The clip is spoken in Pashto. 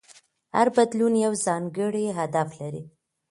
هر بدلون یو ځانګړی هدف لري.